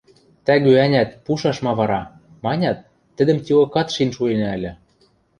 Тӓгӱ-ӓнят: «Пушаш, ма вара», – манят, тӹдӹм тиокат шин шуэнӓ ыльы.